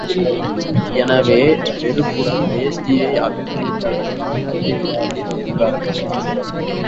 எனவே வெறுப்புடன், வேஷ்டியை அவிழ்த்து தலைப்பாக் கட்டிவிடாதீர், என்றார்.